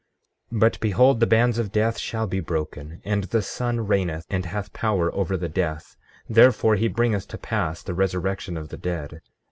15:20 But behold, the bands of death shall be broken, and the Son reigneth, and hath power over the dead; therefore, he bringeth to pass the resurrection of the dead.